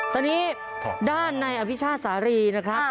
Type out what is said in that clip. ตอนนี้ด้านในอภิชาสารีนะครับ